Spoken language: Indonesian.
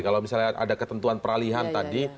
kalau misalnya ada ketentuan peralihan tadi